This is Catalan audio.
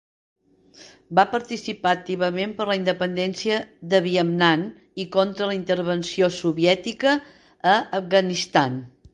Va participar activament per la independència de Vietnam i contra la intervenció soviètica a Afganistan.